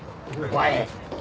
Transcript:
お前！